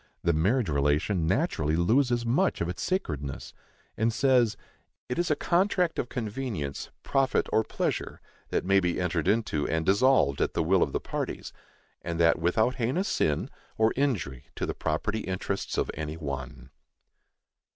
the marriage relation naturally loses much of its sacredness, and says: It is a contract of convenience, profit or pleasure, that may be entered into and dissolved at the will of the parties, and that without heinous sin, or injury to the property interests of any one.